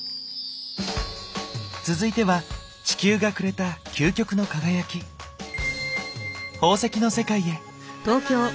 続いては地球がくれた究極の輝き「宝石」の世界へ。